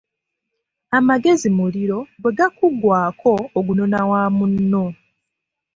Amagezi muliro, bwe gukuggwako ogunona wa munno.